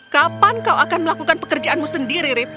kapan kau akan melakukan pekerjaanmu sendiri rip